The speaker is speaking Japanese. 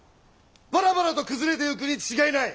バラバラと崩れてゆくに違いない！